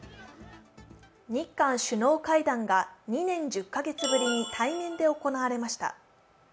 日韓首脳会談が２年１０か月ぶりに対面で行われました。